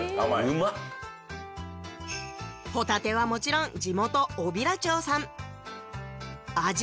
うまっホタテはもちろん地元小平町産味